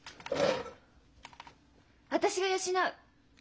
私が養う！